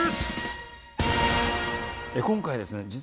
今回ですね